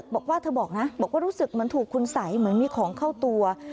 บอกว่ารู้สึกเหมือนถูกคุ้นใสเหมือนมีของเข้าตัว